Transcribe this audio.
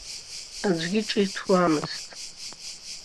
Аӡәгьы ҿиҭуамызт.